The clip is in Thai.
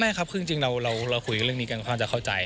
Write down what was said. อ๋อไม่ครับคุณจริงเราคุยเรื่องนี้กันความจะเข้าใจ